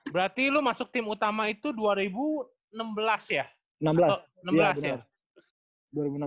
berarti lo masuk tim utama itu dua ribu enam belas ya